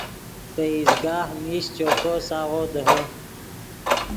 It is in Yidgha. پئیز گاہ میش چوکو ساغو دیہے